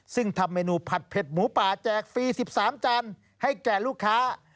ซึ่งทำเมนูผัดเผ็ดหมูป่าแจกฟรี๑๓จานให้แก่ลูกค้า